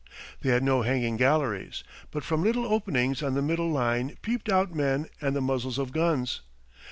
They had no hanging galleries, but from little openings on the middle line peeped out men and the muzzles of guns.